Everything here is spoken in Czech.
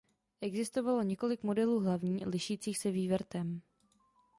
Existovalo několik modelů hlavní lišících se vývrtem.